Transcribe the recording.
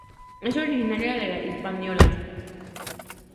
Es originaria de La Hispaniola.